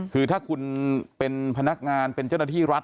คือถ้าคุณเป็นพนักงานเป็นเจ้าหน้าที่รัฐ